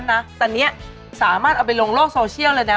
ตอนนี้สามารถเอาไปลงโลกโซเชียลเลยนะ